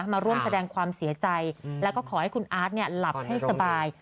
มาร่วมแสดงความเสียใจแล้วก็ขอให้คุณอาร์ตหลับให้สบาย